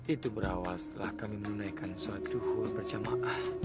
itu berawal setelah kami menunaikan suatu huruf berjamaah